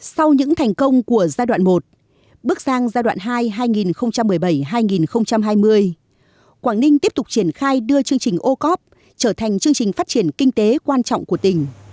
sau những thành công của giai đoạn một bước sang giai đoạn hai hai nghìn một mươi bảy hai nghìn hai mươi quảng ninh tiếp tục triển khai đưa chương trình o cop trở thành chương trình phát triển kinh tế quan trọng của tỉnh